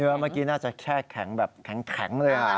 เนื้อเมื่อกี้น่าจะแช่แข็งแบบแข็งเลยค่ะ